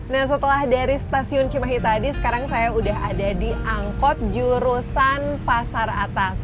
nah setelah dari stasiun cimahi tadi sekarang saya sudah ada di angkot jurusan pasar atas